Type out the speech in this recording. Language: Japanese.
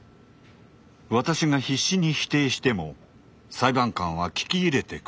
私が必死に否定しても裁判官は聞き入れてくれません。